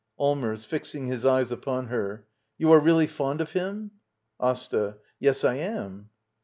Allmers. [Fixing his eyes upon her.] You are , really fond of him? AsTA. Yes, I am.